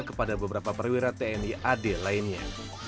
kepada beberapa perwira tni ad lainnya